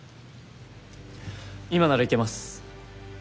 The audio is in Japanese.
今ならいけます！